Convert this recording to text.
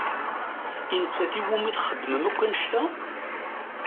I nettat i wumi txedmem akk annect-a?